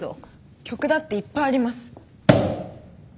曲だっていっぱいあります